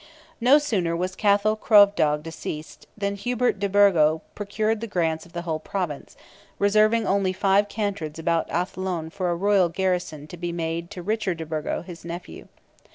No sooner was Cathal Crovdearg deceased than Hubert de Burgo procured the grants of the whole Province, reserving only five cantreds about Athlone for a royal garrison to be made to Richard de Burgo, his nephew.